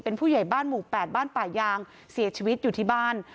เป็นผู้ใหญ่บ้านหมู่๘บ้านป่ายางเสียชีวิตอยู่ที่บ้าน